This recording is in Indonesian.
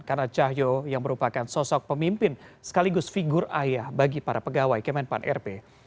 karena cahyokumulo yang merupakan sosok pemimpin sekaligus figur ayah bagi para pegawai kemen pan rb